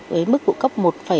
với mức phụ cấp một